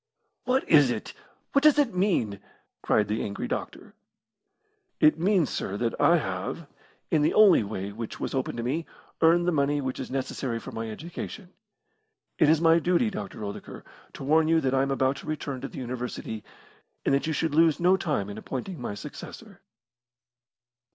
"What is it? What does it mean?" cried the angry doctor. "It means, sir, that I have, in the only way which was open to me, earned the money which is necessary for my education. It is my duty, Dr. Oldacre, to warn you that I am about to return to the University, and that you should lose no time in appointing my successor."